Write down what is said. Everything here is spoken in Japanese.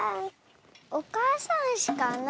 おかあさんうしかな